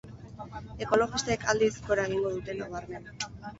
Ekologistek, aldiz, gora egingo dute nabarmen.